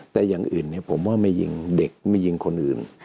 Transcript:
แต่อย่างอื่นผมว่าไม่ยิงเด็กไม่ยิงคนอื่น